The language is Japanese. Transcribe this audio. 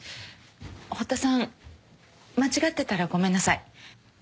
堀田さん間違ってたらごめんなさい。